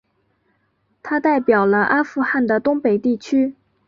他代表了阿富汗的东北地区。